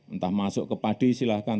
entah masuk ke padi silahkan